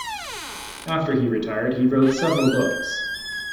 After he retired he wrote several books.